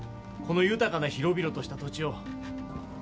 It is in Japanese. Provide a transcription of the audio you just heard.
この豊かな広々とした土地を。